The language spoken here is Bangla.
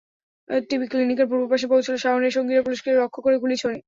টিবি ক্লিনিকের পূর্বপাশে পৌঁছালে শাওনের সঙ্গীরা পুলিশকে লক্ষ্য করে গুলি ছোড়ে।